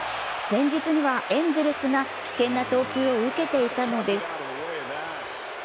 前日にはエンゼルスが危険な投球を受けていたのです。